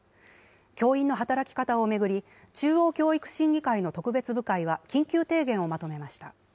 教員の働き方を巡り、中央教育審議会の特別部会は、緊急提言をまとめました。